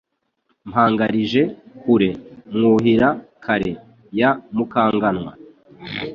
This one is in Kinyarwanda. Mpangarije-kure Mwuhira-kare ya Mukanganwa,